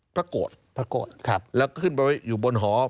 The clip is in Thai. พระโกรธพระโกรธครับแล้วก็ขึ้นไปไว้อยู่บนหอ